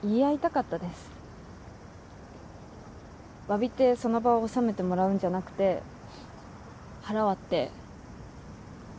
わびてその場を収めてもらうんじゃなくて腹割って話し合いたかったです。